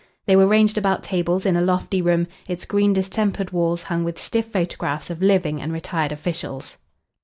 They were ranged about tables in a lofty room, its green distempered walls hung with stiff photographs of living and retired officials.